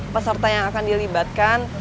peserta yang akan dilibatkan